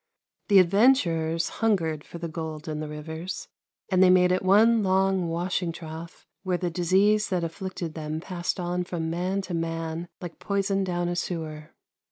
The adventurers hungered for the gold in the rivers, and they made it one long washing trough, where the disease that afiflicted them passed on from man to man like poison down a sewer.